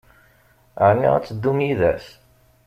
Ɛni ad teddum yid-s?